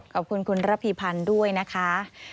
ขอบคุณคุณระพีพันธ์ด้วยนะคะ